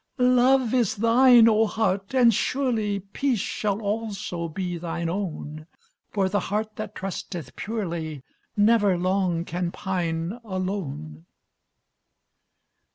"Love is thine, O heart! and surely Peace shall also be thine own, For the heart that trusteth purely Never long can pine alone."